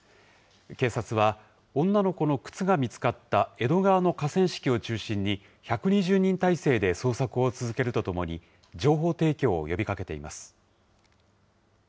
警察は、女の子の靴が見つかった江戸川の河川敷を中心に、１２０人態勢で捜索を続けるとともに、情報提供を呼びかけています。